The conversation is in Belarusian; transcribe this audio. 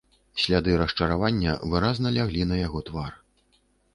Сляды расчаравання выразна ляглі на яго твар.